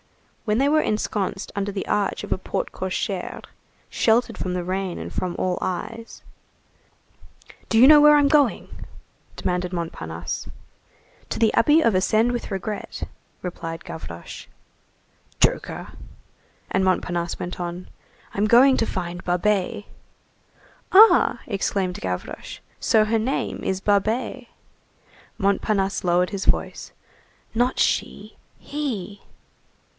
When they were ensconced under the arch of a porte cochère, sheltered from the rain and from all eyes:— "Do you know where I'm going?" demanded Montparnasse. "To the Abbey of Ascend with Regret,"36 replied Gavroche. "Joker!" And Montparnasse went on:— "I'm going to find Babet." "Ah!" exclaimed Gavroche, "so her name is Babet." Montparnasse lowered his voice:— "Not she, he."